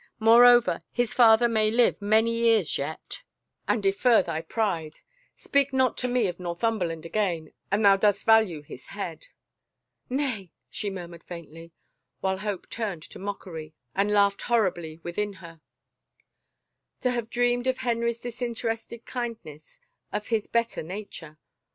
More over, his father may live many years yet and defer thy 7 75 THE FAVOR OF KINGS pride. ... Speak not to me of Northumberland again, an thou dost value his head." " Nay," she murmured faintly, while hope turned to mockery and laughed horribly within her. To have dreamed of Henry's disinterested kindness — of his bet ter nature